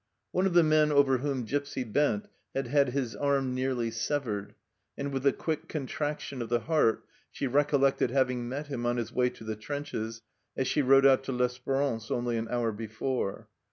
One of the men over whom Gipsy bent had had his arm nearly severed, and with a quick contraction of the heart she recollected having met him on his way to the trenches as she rode out to L'Esperance only an hour before.